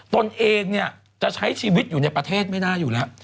ตนเองเนี่ยจะใช้ชีวิตอยู่ในประเทศไม่ได้อยู่แล้ว